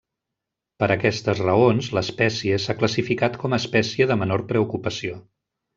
Per aquestes raons, l'espècie s'ha classificat com a espècie de menor preocupació.